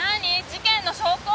事件の証拠？